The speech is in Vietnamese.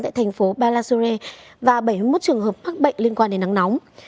tại thành phố balasore và bảy mươi một trường hợp bắc bệnh liên quan đến nắng nóng